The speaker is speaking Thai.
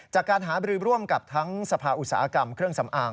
จากการหาบรือร่วมกับทั้งสภาอุตสาหกรรมเครื่องสำอาง